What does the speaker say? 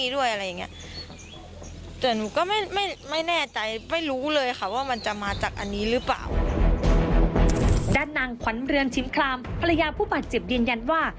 ด้านนางขวัญเรือนชิมคลามภรรยาผู้บาดเจ็บยืนยันว่า